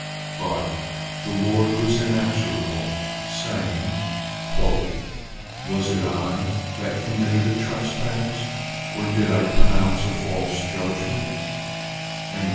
But the Lord was inexorable, saying, "Was it I that committed a trespass, or did I pronounce a false judgment?"